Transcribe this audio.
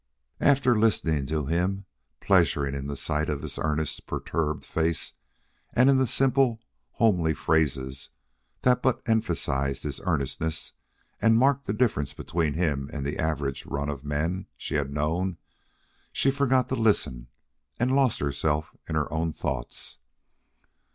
And, listening to him, pleasuring in the sight of his earnest, perturbed face and in the simple, homely phrases that but emphasized his earnestness and marked the difference between him and the average run of men she had known, she forgot to listen and lost herself in her own thoughts.